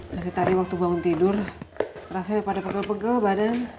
dari tadi waktu bangun tidur rasanya pada pegel pegel badan